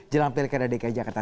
jelang pilih kedai dki jakarta